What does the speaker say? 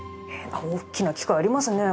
大きな機械ありますね